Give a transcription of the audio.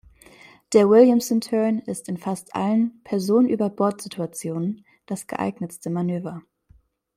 Der Williamson-Turn ist in fast allen Person-über-Bord-Situationen das geeignetste Manöver.